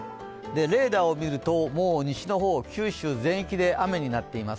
レーダーを見ると、西の方、九州全域で雨になっています。